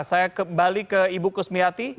saya kembali ke ibu kusmiati